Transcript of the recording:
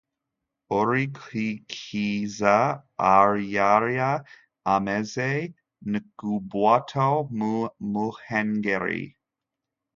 urikurikiza aryarya ameze nk’ubwato mu muhengeri.